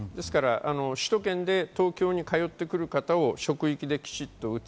首都圏で東京に通ってくる人を職域できちっと打つ。